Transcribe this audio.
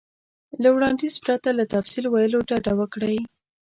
له وړاندیز پرته له تفصیل ویلو ډډه وکړئ.